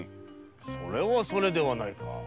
それはそれではないか。